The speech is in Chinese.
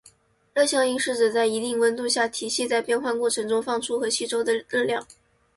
热效应是指在一定温度下，体系在变化过程中放出或吸收的热量。